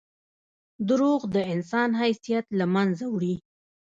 • دروغ د انسان حیثیت له منځه وړي.